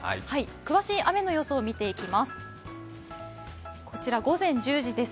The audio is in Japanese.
詳しい雨の予想を見ていきます。